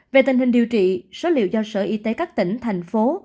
về tình hình điều trị số liệu do sở y tế các tỉnh thành phố